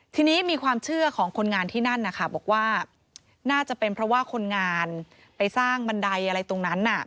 ทีนี้มีความเชื่อของคนงานที่นั่นนะคะบอกว่าน่าจะเป็นเพราะว่าคนงานไปสร้างบันไดอะไรตรงนั้น